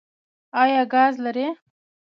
ایا ګاز لرئ؟